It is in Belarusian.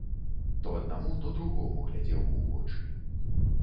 То аднаму, то другому глядзеў у вочы.